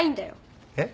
えっ？